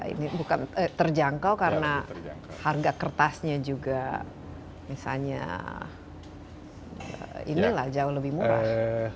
ini bukan terjangkau karena harga kertasnya juga misalnya inilah jauh lebih murah